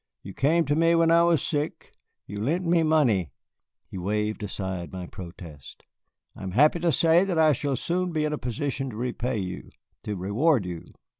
"You came to me when I was sick, you lent me money," he waved aside my protest. "I am happy to say that I shall soon be in a position to repay you, to reward you.